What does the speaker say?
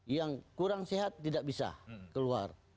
yang kurang sehat tidak bisa keluar